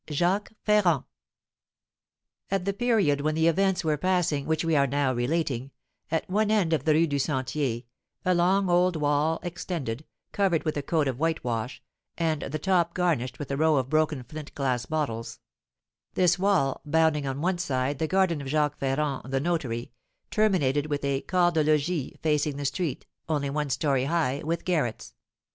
JACQUES FERRAND. At the period when the events were passing which we are now relating, at one end of the Rue du Sentier a long old wall extended, covered with a coat of whitewash, and the top garnished with a row of broken flint glass bottles; this wall, bounding on one side the garden of Jacques Ferrand, the notary, terminated with a corps de logis facing the street, only one story high, with garrets.